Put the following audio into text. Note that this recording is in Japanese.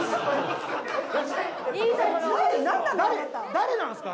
誰なんですか？